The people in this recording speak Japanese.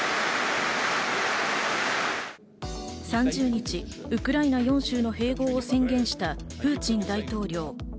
３０日ウクライナ４州の併合を宣言したプーチン大統領。